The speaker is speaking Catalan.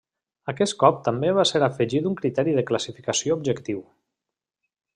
Aquest cop també va ser afegit un criteri de classificació objectiu.